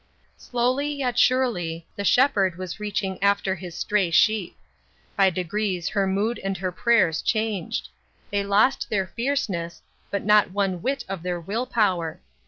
Slowly yet surely, the Shepherd was reaching after his stray sheep. By degrees her mood and her prayers changed ; they lost their fierceness, but not one whit of their will power.